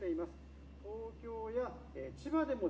東京や千葉でもですね